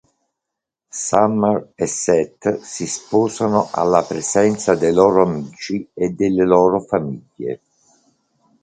Summer e Seth si sposano alla presenza dei loro amici e delle loro famiglie.